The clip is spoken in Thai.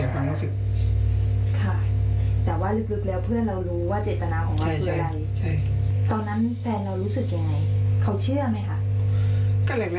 ตอนนั้นแฟนเรารู้สึกยังไงเขาเชื่อไหมค่ะ